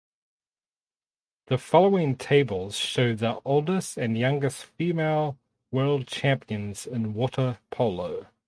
The following tables show the oldest and youngest female world champions in water polo.